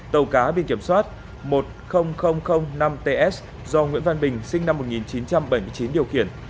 tàu cá biển kiểm soát một mươi nghìn năm ts do nguyễn văn bình sinh năm một nghìn chín trăm bảy mươi chín điều khiển